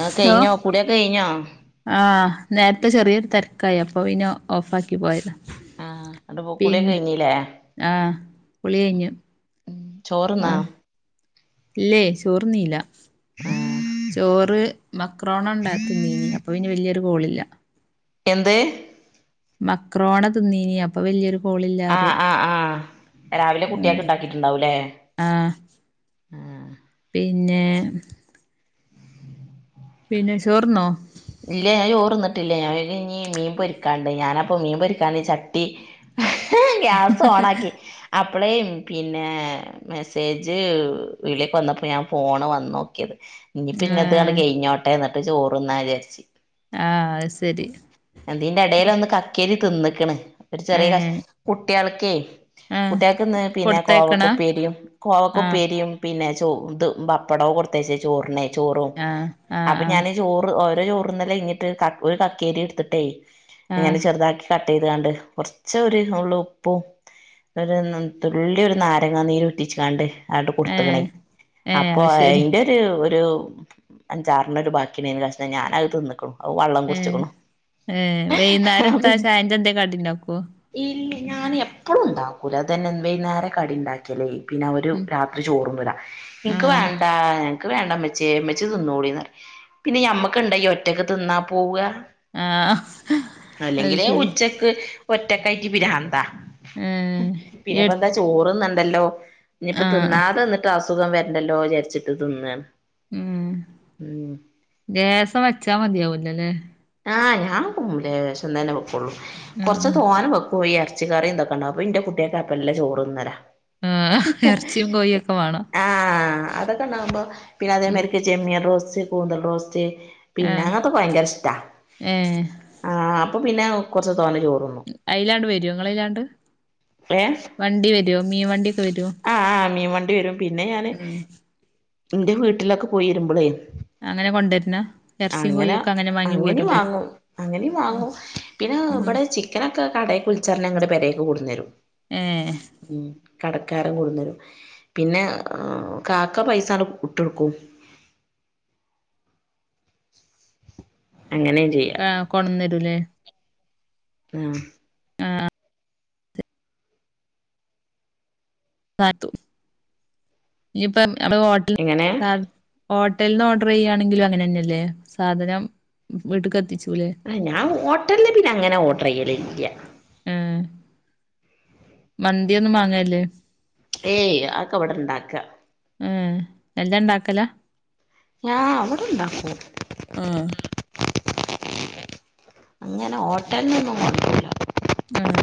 ആഹ് hello കഴിഞ്ഞോ കുളിയൊക്കെ കഴിഞ്ഞോ ആഹ് നേരത്തെ ചെറിയൊരു തെരക്കായി. അപ്പൊ പിന്നെ ഓഫാക്കി പോയതാ. ആ അടെ കുളിയൊക്കെ പിന്ന കഴിഞ്ഞില്ലേ ആഹ് കുളി കഴിഞ്ഞു. ചോറ്ന്നാ ആഹ് ഇല്ലേ ചോറ് ന്നീല. ആ ചോറ് മക്രോണ ണ്ടാ തിന്നീനി അപ്പോ ഇനി വല്യൊരു കോളില്ല എന്ത് മക്രോണ തിന്നീനി അപ്പൊ വല്യൊരു ആ കോളില്ലാറിയ ആ ആ രാവിലെ കുട്ടിയക്ക് ആഹ് ഉണ്ടാക്കിട്ടുണ്ടാവൂലേ ആഹ് ആ പിന്നാ പിന്നെ ചോർന്നോ ഇല്ല ഞാൻ ചോറ്ന്നട്ടില്ല ഞാ വിചാരിചിനി മീൻ പൊരിക്കാണ്ട് ഞാനപ്പം മീൻ പൊരിക്കാന് ചട്ടി ഗ്യാസോണാക്കി അപ്പളേയും പിന്നാ മെസ്സേജ് വിളി വന്നപ്പോ ഞാൻ ഫോണ് വന്നോക്കിയത് ഇനി പിന്നത്താണ്ട് ഏഹ് കഴിഞ്ഞോട്ടെ എന്നിട്ട് ചോറ്ന്നാ വിചാരിച്ച് ആഹ് അത് ശരി അതിന്റെടേൽ ഒന്ന് കക്കിരി തിന്ന്ക്ക്ണ് ഒരു ചെറിയ കഷ് ഏഹ് കുട്ട്യാൾക്കെ ആഹ് കുട്ട്യാൾക്ക്ന്ന് പിന്നെ കൊടുത്തയക്കണ കോവക്കുപ്പേരിയും ആഹ് കോവക്കുപ്പേരിയും പിന്നെ ചോ ത് പപ്പടവും കൊടുത്തയച്ചേ ചോറിനെ ചോറും ആഹ് ആഹ് അപ്പൊ ആഹ് ഞാന് ചോറ് ഓര ചോറ്ന്നലഴിഞ്ഞിട്ട് കക്കു ഒരു കക്കേരിടുത്തിട്ടേ ഇങ്ങനെ ആഹ് ചെറുതാക്കി കട്ടെയ്താണ്ട് കൊറച്ചൊര് നുള്ള് ഉപ്പും ഒരു തുള്ളി ഒരു നാരങ്ങ നീരുറ്റിച്ചാണ്ടെ ആണ്ട് കൊടുത്ത്ക്കണേ ഏഹ് ഏഹ് അപ്പൊ അത് ശരി അയിന്റെ ഒരു ഒരു അഞ്ചാറെണ്ണെറ്റെ ബാക്കിണ്ടെയിനി കഷ്ണം ഞാനത് തിന്ന്ക്ക്ണു ഏ ഏ വൈന്നാരത്താ ചായന്റെന്തേ കാട്ടിണ്ടാക്കോ ഇല്ലേ ഞാൻ എപ്പളുംണ്ടാക്കൂല അതന്നെ വൈന്നേരം കടിണ്ടാക്കിയാലേ പിന്ന അവര് ഉം രാത്രി ചോറ്ന്നൂലാ എൻക്ക് ആഹ് വേണ്ട ൻക്ക് വേണ്ടമ്മച്ചിയേ ഉമ്മച്ചി തിന്നോളീന്നറിം പിന്നെ ഞമ്മക്ക്ണ്ടയീ ഒറ്റക്ക് തിന്നാ പോവാ ആഹ് അത് അല്ലെങ്കിലേ ശരി ഉച്ച ക്ക് ഒറ്റക്കായിട്ട് പിരാന്താ ഏ എട് പിന്നെപ്പോന്താ ചോറ്ന്നണ്ടല്ലോ ഇനിപ്പോ ആഹ് തിന്നാതെന്ന്ട്ട് അസുഖം വെരണ്ടല്ലോ വിചാരിച്ചിട്ട് തിന്നാണ് ഉം ഉം ലേസം വെച്ചാ മതിയാവൂല്ലല്ലേ ആ ഞാൻ കു ലേശം തന്നെ വെക്കോളു കൊർച്ച് ആഹ് തോനെ വെക്കും ഈ എർച്ചിക്കറിം ഇതൊക്കെണ്ടാകു അപ്പെന്റെ കുട്ട്യാക്ക് നല്ല ചോറ്ന്നലാ ആഹ് എറച്ചിയും കോഴിയൊക്കെ വാണം ആ അതൊക്കെണ്ടകുമ്പോ പിന്നെ ഉം അതേമാരിക്ക് ചെമ്മിൻ റോസ്റ്റ് കൂന്തൽ റോസ്റ്റ് പിന്നെ അങ്ങനത്തൊക്കെ ഭയങ്കരിഷ്ടാ ഏ ആ അപ്പൊ പിന്നെ കൊർച്ച് തോനെ ചോ ഐലാണ്ട് വരോ നിങ്ങളിലാണ്ട് വണ്ടി വരോ മീൻ വണ്ടിക്ക വെരോ ആ ആ മീൻ വണ്ടി വെരും പിന്നെ ഞാന് എന്റെ വീട്ടിലൊക്കെ പോയെരുമ്പളേ അങ്ങനെ കൊണ്ടര്ന്ന എർച്ചീം കോയിയൊക്കെ അങ്ങനെ വാങ്ങി അങ്ങനേം പോരൂലേ വാങ്ങും അങ്ങനേം വാങ്ങും പിന്ന ഉം ഇവിടെ ചി ക്കനൊക്കെ കടേക്കുൾച്ചറിഞ്ഞാ അങ്ങട് പെരേക്ക് കൊട്ന്നെരും ഏഹ് ഉം കടക്കാരൻ കൊട്ന്നെരും പിന്നെ കാക്ക പൈസ ങ്ങട്ട് ഇട്ടൊടുക്കും അങ്ങനെയും ചെയ്യും ആ കൊണ്ടെന്നരൂല്ലേ ഉം പാത്തു ഇനിപ്പം അത് ഹോട്ടൽ എങ്ങനെ ഹാ ഹോട്ടൽന്ന് ഓർഡറെയ്യാണെങ്കിലും അങ്ങനന്നെല്ലേ സാധനം വീട്ട്ക്ക് എത്തിചൂല്ലേ അ ഞാൻ ഹോട്ടലില് പിന്നങ്ങനെ ഓർഡറെയ്യലില്ല ഉംംമന്തി ഒന്നും വാങ്ങല്ല് ഏയ് അതൊക്കെ ഇവടിണ്ടാക്ക ഉം എല്ലാം ഉണ്ടാക്കല ഞ അവടുണ്ടാക്കും ആഹ് അങ്ങനെ ഹോട്ടൽനൊന്നും കൊണ്ടൊരുല ആണോ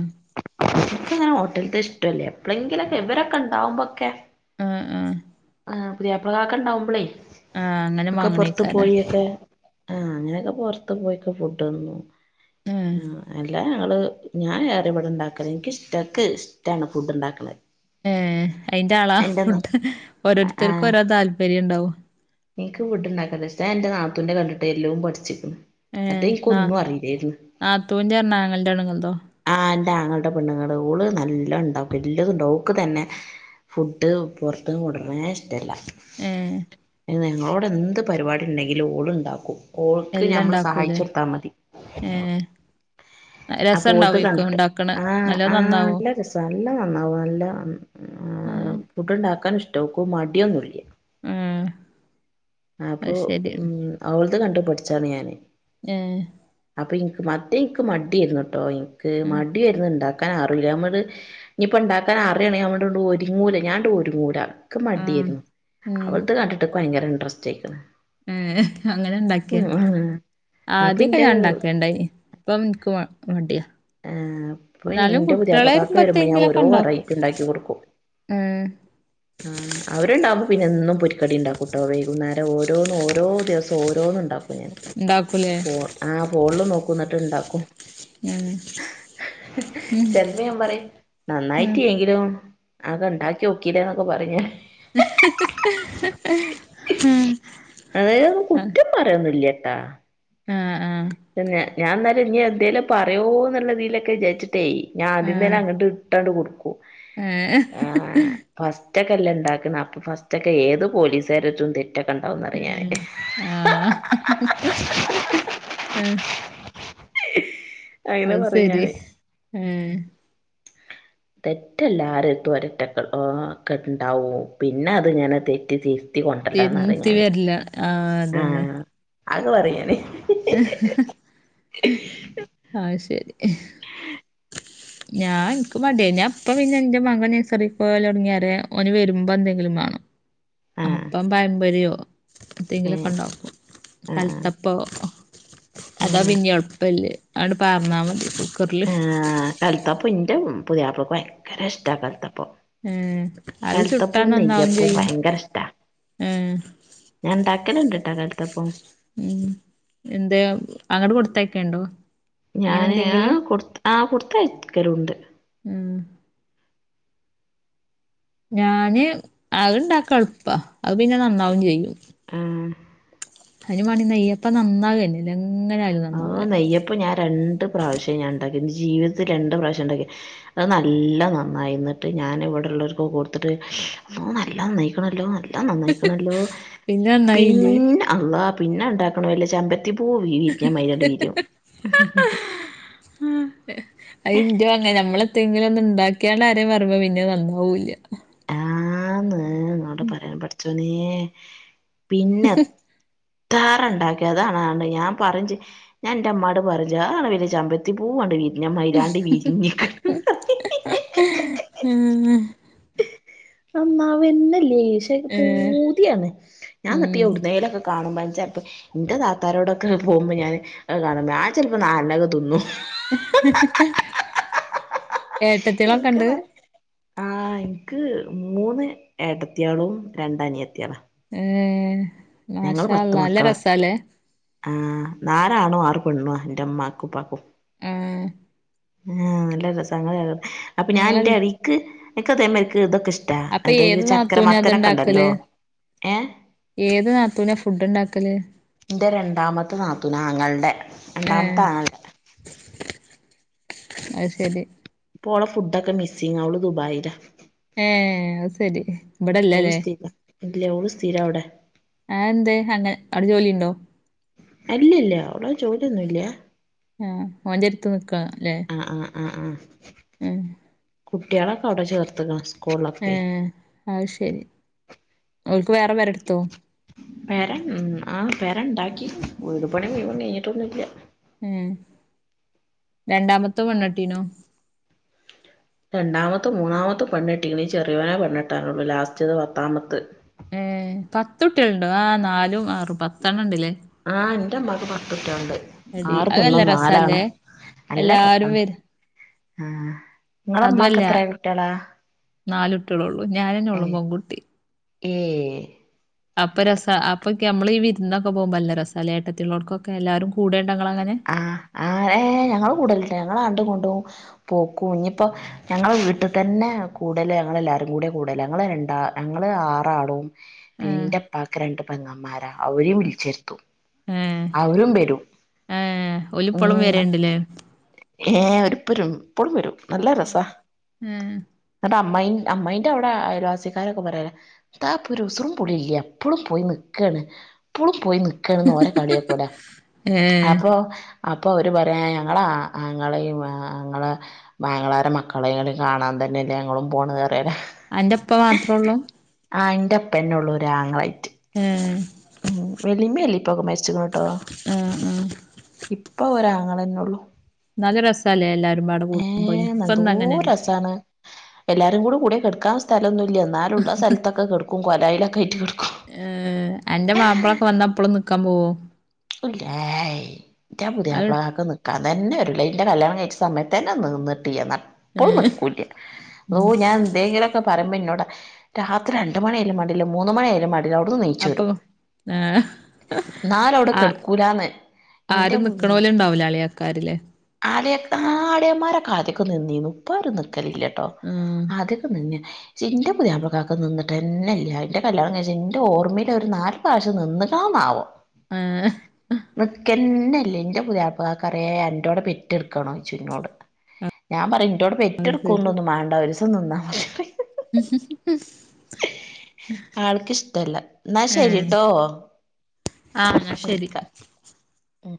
നക്ക്ങ്ങനെ ഹോട്ടൽത്തെ ഇഷ്ടല്യ എപ്പളങ്കിലൊക്കെ ഇവരൊക്കെണ്ടകുമ്പോക്കെ ആഹ് ആഹ് ആഹ് പുതിയാപ്ലകാക്ക ഇണ്ടാവുമ്പളേ ആഹ് അങ്ങനെ ഒക്കെ പുറത്ത് വാങ്ങണേക്കാരം പോയി ഒക്കെ ആഹ് അങ്ങനെയൊക്കെ പൊറത്ത് പോയി ഫുഡ്ന്നും ആഹ് ആ അല്ല ഞങ്ങള് ഞാൻ ഏറിം ഇവിടെ ഉണ്ടാക്കല ഇന്ക് ഇഷ്ട ക്ക് ഇഷ്ടമാണ് ഫുഡ് ഇണ്ടാക്കുന്നത് ഏ അയിന്റെ ആളാ ഫുഡ് ആ ഓരോരുത്തർക്കും ഓരോ താല്പര്യം ണ്ടാവും എനിക്ക് ഫുഡ്ണ്ടാക്കാൻ നല്ല ഇഷ്ട്ട ഞാൻ ന്റെ നാത്തൂന്റെ കണ്ടിട്ട് എല്ലോ പഠിച്ചിക്ക്ണ് ഏ മറ്റേ നാ എനിക്കൊന്നും അറിയില്ലേരുന്നു നാത്തൂൻ്റെ റ്ഞ്ഞാ ആങ്ങളൻ്റെ പെണ്ണ്ങ്ങൾതോ ആഹ് ൻ്റെ ആങ്ങളടെ പെണ്ണുങ്ങൾ ഓള് നല്ലോണ്ടാക്കും എല്ലതുണ്ടവും ഓക്ക് തന്നെ ഫുഡ് പൊറത്ത്ന്ന് കൊണ്ട്ര്ണേ ഇഷ്ടല്ല ഏഹ് ഞങ്ങളോടെ എന്ത് പരിപാടി ണ്ടെങ്കിലും ഓൾ ണ്ടാക്കും ഓൾക്ക് എല്ലാം ഞമ്മള് ഇണ്ടാക്കൂലേ സഹായിച്ചൊടുത്താ മതി ഏഹ് അപ്പോ രസം ഓൾദ ഇണ്ടാവേക്കും കണ്ടിട്ട് ഇണ്ടാക്കണ ആഹ് നല്ലോം ആഹ് നന്നാവോ നല്ല രസ നല്ല നന്നാവും നല്ല ആഹ് ഫുഡ് ഉണ്ടാക്കാനും ഇഷ്ട ഓക്ക് മടിയൊന്നുല്ല ഉം അപ്പൊ ഓൾദേ കണ്ടുപഠിച്ചതാണ് ഞാന് ഏഹ് അപ്പൊ ഇനിക്ക് മറ്റേ ഇൻക്ക് മടിയെന്നുട്ടോ ഇന്ക്ക് ഉം മടിയേരുന്നുണ്ടാക് ക്കാൻ അറില്ല നമ്മള് ഇനിയിപ്പ ഉണ്ടാക്കാൻ അറിയണെങ്കിൽ ഒരുങ്ങൂല ഞാങ്ങട്ടോരുങ്ങൂല ഇന്ക് ആഹ് മടിയായിരുന്നു ഉം അവൾദ കണ്ടിട്ടൊക്കെ ഭയങ്കര ഇൻട്രസ്റ്റ് ആയിക്കണ് ഏ അങ്ങനെ ണ്ടാക്കിയ അപ്പൊ ആദ്യക്കെ ഇന്റെ ഞാൻ ണ്ടാകേണ്ടായിനി പ്പം ഇന്ക്ക് മടിയ ഏഹ് അപ്പൊ എന്നാലും ഇന്റെ കുട്ടികളെ പുതിയാപ്ലക്കാക്ക് വരുമ്പോ ഞാൻ വരുമ്പത്തെങ്കിലൊക്കെ ഓരോ ണ്ടാക്കും വെറൈറ്റി ഉണ്ടാക്കി കൊടുക്കും ഉം ആഹ് അവരുണ്ടാവുമ്പോ പിന്നെന്നും പൊരിക്കടി ണ്ടാക്കും ട്ടോ വൈകുന്നേരം ഓരോന്ന് ഓരോ ദിവസം ഓരോന്ന്ണ്ടാക്കും ഞാൻ ണ്ടാക്കുലേ ആഹ് ഫോണിൽ നോക്കും ന്നിട്ട് ണ്ടാക്കും ഞന് ചെലപ്പം ഞാൻ പറയും നന്നായിട്ട്ല്ലങ്കിലും അത് ഉണ്ടാക്കി നോക്കീലെന്നൊക്കെ പറയും ഞാൻ ഉം ഉം അങ്ങനെയൊന്നും ആഹ് കുറ്റം പറയന്നില്ലട്ടാ ആഹ് ആഹ് ഞാ എന്നാലും നി എന്തേങ്കലും പറയോ എന്നുള്ള തിലൊക്കെ വിചാരിച്ചും ദേ ഞാൻ ആദ്യം തന്നെ അങ്ങോട്ട് ഇട്ടാണ്ട് കൊടുക്കും ഏ ഹ് ആഹ് ഫസ്റ്റൊക്കെ അല്ലെ ഉണ്ടാക്കുന്ന അപ്പൊ ഫസ്റ്റ് ഒക്കെ ഏത് പോലീസുകാരറ്റും തെറ്റൊക്കെണ്ടാവന്ന് അറിയാന് ഏഹ് ആഹ് ആഹ് അങ്ങനെ അത് പറയും ശരി ഞാന് ഉം ഏഹ് തെറ്റല്ലാരും തൊരറ്റക്ക ഒക്കെണ്ടാവും പിന്നെ അത് ഞാൻ തെറ്റ് തിര് ത്തിക്കൊണ്ടല്ലന്നറി തിരുത്തി ഞാന് വരില്ല ആഹ് അതന്നെ ആഹ് ആകെ പറെ ഞാന് അത്ശരി [inaudible] [inaudible] ഞാൻ എനിക്ക് മടിയേ അപ്പം പിന്നെ എൻ്റെ മക നഴസറിൽ പോലൽ തുടങ്ങിയ ന് വരുമ്പോൾ എന്തെങ്കിലും വേണം ആഹ് അപ്പം പഴമ്പൊരിയോ എന്തെങ്കിലൊക്കെ ഏഹ് ഉണ്ടാക്കും ആഹ് കൽത്തപ്പവോ അതാ ആഹ് പിന്നെ എൾപ്പല്ലേ ആണ്ട് പാർന്നാ മതി കുക്കറില് ആഹ് കൽത്തപ്പൊ ഇന്റെ പുതിയാപ്ലക്ക് ഭയങ്കര ഇഷ്ട കൽത്തപ്പോ ഏഹ് അത് ചുട്ടാ കൽത്തപ്പോം നന്നാവും നെയ്യപ്പോം ചെയ്യും ഭയങ്കര ഇഷ്ടാ ഏഹ് ഞാൻ ഇണ്ടാക്കലുണ്ട് ട്ട് ക്കാൽത്തപ്പം ഉം എന്തേ അങ്ങട് കൊടുത്തയക്കെ ഇണ്ടോ? ഞാന് ആഹ് കൊടുത്ത് ആഹ് കൊടുത്തയക്കലുണ്ട് ഉം ഞാന് അത് ഇണ്ടാക്ക എൾപ്പ അത് പിന്നെ നന്നാവും ചെയ്യും ആഹ് അതിനും മാണ്ടി നെയ്യപ്പ നന്നാവേല്ല ങ്ങനെങ്ങ ഓ നെയ്യപ്പം ഞാൻ രണ്ട് പ്രാവശ്യം ഞാൻ ഇണ്ടാക്കി എന്റെ ജീവിതത്തിൽ രണ്ട് പ്രാവശ്യംഇണ്ടാക്കി ഇണ്ടാക്കി അത് നല്ല നന്നായിന്നിട്ട് ഞാൻ ഇവിടെള്ളോര്ക്ക് കൊടുത്തിട്ട് അള്ളോ നല്ല നന്നായിക്കണല്ലോ ത്താ നന്നായിക്കണല്ലോ പിന്നെ നന്നായില്ലേ പിന്ന അല്ലാ പിന്നെ ഇണ്ടാക്കണ വല്ല ചമ്പത്തിപ്പൂ വിരിഞ്ഞ മാരിയണ്ട് വിരിയും. ഉം അത് ഇന്റോ അങ്ങന നമ്മളെത്തെങ്കിലും ഒന്ന് ഇണ്ടാക്കിയാണ്ട് ആരേം പറുമ്പോ പിന്നെ നന്നാവൂല്ല ആന്ന് അങ്ങോട്ട പറയാൻ പഠച്ചോനേ പിന്നെ താറുണ്ടാക്കിയതാണ്ണ്ട് ഞാൻ പറഞ്ച് ഞാൻ എന്റെ ഉമ്മാട് പറഞ്ചു ആ ആണ് വലിയ ചമ്പരത്തി പൂവണ്ട വിരി ഉം നന്നാവന്നെ ഇതിനേഷം ഏഹ് പൂതിയാണ് ഞാൻ എന്നിട്ട് ഉം എവിടുന്നേലൊക്കെ കാണുമ്പം ചെൽപ്പം എന്റെ താത്താരോടൊക്കെ പോകുമ്പം ഞാന് കാണും. ഞാൻ ചിലപ്പോ നാലെണ്ണൊക്കെ തിന്നു. ഏട്ടത്തിയാളൊക്കെ ഇണ്ട് [unintelligible] ആഹ് എനിക്ക് മൂന്ന് ഏട്ടത്തിയാളും രണ്ടനിയത്തിയാള ഏഹ് മാ ഷാ അല്ലാഹ് നല്ല മക്കളാ രസാല്ലേ ആഹ് നാലാണും ആറ് പെണ്ണുആ എന്റെ ഉമ്മാക്കും ഉപ്പാക്കും ആഹ് ആഹ് നല്ല രസങ്ങള അപ്പൊ ഞാൻ എന്റെ നിങ്ങളല്ല അടിക്ക് എക്കതേമാരിക്ക് ഇതൊക്കെ ഇഷ് ട്ടാ. അപ്പൊ അതയ്ഞ്ഞു ഏത് ചക്കര നാത്തൂനാ ഇത് മത്തനൊക്കെ ഇണ്ടല്ലോ ഇണ്ടാക്കല് ഏഹ് ഏത് നാത്തുന ഫുഡ്ണ്ടാക്കല് എൻ്റെ രണ്ടാമത്തെ നാത്തുനാങ്ങൾടെ രണ്ടാമത്തെ ആങ്ങൾ അത്ശരി ഇപ്പോളടെ ഫുഡൊക്കെ മിസ്സിങ്ങ ഓള് ദുബായില ഏഹ് അത് ശരി ഓള് ഇബടെല്ലല്ലേ സ്ഥിര ഇല്ലേ ഓള് സ്ഥിര അവിടെ ആത് എന്തേ അങ്ങ അവിടെ ജോലിണ്ടോ? അല്ലില്ല അവിട ജോലലിയൊന്നുല്ല ആഹ് ഓന്റെരുത്ത് നിക്ക അല്ലെ ആഹ് ആഹ് ആഹ് ആഹ് കുട്ട്യാളൊക്കെ അവിടെ ചേർത്ത്ക്ക്ണ് ഏഹ് അത് ശരി ഓൽക്ക് വേറെ പെരെടുത്തോ വേറെ ഉം ആഹ് വേറെ ഇണ്ടാക്കി വീടുപണി മുഴുവൻ കഴിഞ്ഞിട്ടൊന്നുല്ല ഉം രണ്ടാമത്തോ പെണ്ണെട്ടീനോ? രണ്ടാമത്തും മൂന്നാമത്തും പെണ്ണ് കെട്ടീക്ക്ണ്. ഇനി ചെറിയോന പെണ്ണട്ടാനുള്ളൂ ലാസ്റ്റ്ത് പത്താമത്ത് ഏഹ് പത്തുട്ട്യാളുണ്ടോ ആ നാലും ആറും പത്തെണ്ണണ്ട് ലേ ആഹ് എന്റെമ്മക്ക് പത്തുട്ട്യാലുണ്ട് എടി ആറ് അത് നല്ല പെണ്ണും രസല്ലേ നാലാണും നല്ല എല്ലാരും രസാണ് വരും ആഹ് ഇങ്ങളുമ്മാക്ക് അതുമല്ല എത്രയ കുട്ട്യാളാ നാല് കുട്ടികളോള്ളൂ ഞാനന്നെ ഉള്ളു അയേ പെൺകുട്ടി ഏയ് അപ്പ രസ അപ്പൊ നമ്മള് ഈ വിരുന്നൊക്കെ പോകുമ്പോ നല്ല രസാലേ ഏട്ടത്തിലുള്ളവർക്കൊക്കെ എല്ലാരും കൂടെേണ്ട ഇങ്കൾ അങ്ങനെ ആഹ് ആഹ് [inaudible] ഏഹ് ഞങ്ങള് കൂടലിണ്ട് ഞങ്ങളങ്ങട്ട് ഇങ്ങട്ട് പോകും ഇനിയിപ്പോ ഞങ്ങൾ വീട്ടിൽ തന്നെ കൂടല് ഞങ്ങൾ എല്ലാവാരും കൂടെ കൂടൽ ഞങ്ങള് രണ്ടാ ഞങ്ങള് ആറാളും ഏ ഇന്റപ്പാക്ക് രണ്ട് പെങ്ങമാരാ അവരെയും വിളിച്ചേർത്തു അവരും വരും ഏഹ് ഓലിപ്പളും ഉം വരണ്ടല്ലേ ഏഹ് ഒപ്പരും ഇപ്പോഴും വരും നല്ല രസാ ഏ എന്നട്ട് അമ്മയി അമ്മായിന്റെ അവിടെ അയൽവാസിക്കാരൊക്കെ പറയലാ ന്താപ്പോ ഒരുസുറും പുളിയില്ല എപ്പളും പോയി നിക്കണ് എപ്പളും പോയി നി ക്കയാണെന്ന് ഓരെ കളിയാക്കൂലെ ഏ അപ്പൊ അപ്പൊ അവര് പറയാ ഞങ്ങളാ ആങ്ങളെയും ആങ്ങളെ ആങ്ങളരെ മക്കളെട കാണാൻ തന്നെയല്ലേ ഞങ്ങളും പോണത് പറയലാ അന്റെ ഉപ്പ മാത്രള്ളൂ ആഹ് ഇന്റെപ്പന്നുള്ളരു ആങ്ങളായിട്ട് ആഹ് ഉം വെല്ലിമ്മേം വെല്ലിപ്പൊക്കെ മരിച്ചിക്ണ് ട്ടോ ആ ആ ഇപ്പ ഒരാങ്ങളന്നെ ഉള്ളൂ നല്ല രസല്ലേ എല്ലാരും പാടെ കൂടുമ്പോ ഇനിക്കൊന്നും അങ്ങനെയല്ല ചാണ് എല്ലാരും കൂടി കൂടിയ കെടക്കാൻ സ്ഥലൊന്നും ഇല്ല എന്നാലുള്ള സ്ഥലത്തൊക്കെ കെടക്കും കൊലായലൊക്കെ ആയിട്ട് കിടക്കും ഏഹ് അന്റെ മാപ്പളൊക്കെ വന്ന അപ്പോളും നിക്കാൻ പോവോ ഇല്ല ഏയ് ന്റ അത് പുതിയാപ്ള ഒക്കെ നിക്ക ൻ തന്നെ വരൂല ൻ്റെ കല്യാണം കഴിച്ച സമയത്തെ തന്നെ നിന്നിട്ടില്ല ഇപ്പളും ഏഹ് നിൽക്കൂല്ല ഉം അള്ളോഹ് ഞാൻ എതെങ്കിലൊക്കെ പറയ്മ്പോ ന്നോട് രാത്രി രണ്ട് മണിയാലും മേണ്ടില്ല മൂന്ന് മണിയായാലും മേണ്ടി ല്ല വിടുന്ന് നീച്ചു അപ്പൊ വരും ഏഹ് ന്നാലുവിടെ ആ കെടുക്കൂലന്ന് ഇന്റെ ആരും നിക്കണോല് ഉണ്ടാവൂല അളിയാക്കാരില്ലേ ആലെ ആഹ് അളിയന്മാരെക്കെ ആദ്യക്കെ നിന്നീനു ഇപ്പ ഓര് നിക്കലില്ലട്ടോ ഉം ആദ്യൊക്കെ നിന്നിന് ന്റെ പുതിയാപ്ലക്കാർക്ക് നിന്നിട്ടെന്നെല്ല ൻ്റെ കല്യാണം കഴിച്ച എൻ്റെ ഓർമയില് ഒരു നാല് പ്രാവശ്യം നിന്നിട്ടാ ആവോ ആഹ് നിക്കന്നില്ല എന്റെ പുതിയപ്ലക്കാരെ എന്റോടെ പെറ്റെടുക്കണോ ചോയ്ക്കെനോട് ഞാൻ പറയും ഇൻറ്റോടെ അത് ശരി പെറ്റെടുക്കുന്നും മാണ്ട ഒരിസം നിന്നാമതി ഉം [unintelligible] ആൾക്കിഷ്ടല്ല എന്നാ ഏഹ് ശരിട്ടോ ആഹ് ശരി വിളിക്കാ ഉം